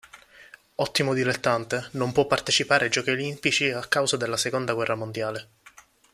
Ottimo dilettante, non può partecipare ai Giochi Olimpici a causa della seconda guerra mondiale.